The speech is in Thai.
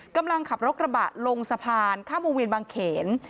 กำลังขับรถกระบะลงสะพานข้ามวงเวียนบางเขน